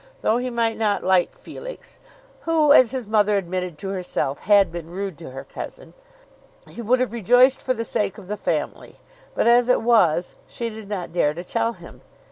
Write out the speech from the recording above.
Though he might not like Felix, who, as his mother admitted to herself, had been rude to her cousin, he would have rejoiced for the sake of the family. But, as it was, she did not dare to tell him.